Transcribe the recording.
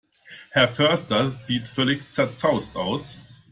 Herr Förster sieht völlig zerzaust aus.